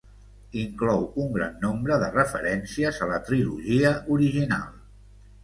Inclou un gran nombre de referències a la trilogia original.